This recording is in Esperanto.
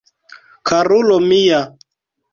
Karulo mia!